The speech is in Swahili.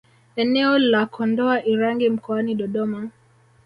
Eneo la Kondoa Irangi mkoani Dodoma